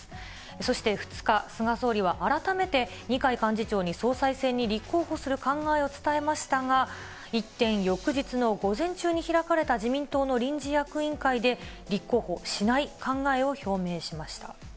そして２日、菅総理は改めて、二階幹事長に総裁選に立候補する考えを伝えましたが、一転、翌日の午前中に開かれた自民党の臨時役員会で、立候補しない考えを表明しました。